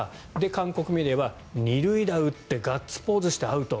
韓国メディアは２塁打打ってガッツポーズしてアウト。